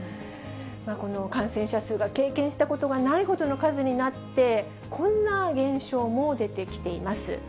この感染者数が経験したことがないほどの数になって、こんな現象も出てきています。